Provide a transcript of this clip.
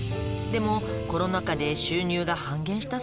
「でもコロナ禍で収入が半減したそうなの」